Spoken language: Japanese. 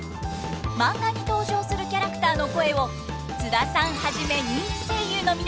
マンガに登場するキャラクターの声を津田さんはじめ人気声優の皆さんが演じます！